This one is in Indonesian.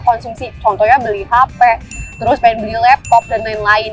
konsumsi contohnya beli hp terus pengen beli laptop dan lain lain